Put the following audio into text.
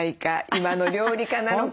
今の料理家なのか。